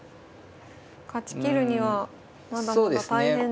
勝ちきるにはまだまだ大変ですね。